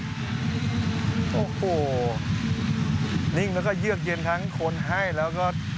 โอ้โหนิ่งแล้วก็เยือกเย็นทั้งคนให้แล้วก็